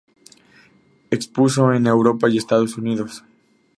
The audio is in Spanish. Expuso en Europa y Estados Unidos.